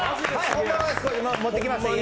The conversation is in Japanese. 家から持ってきました。